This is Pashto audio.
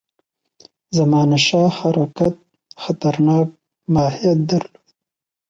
زمانشاه حرکت خطرناک ماهیت درلود.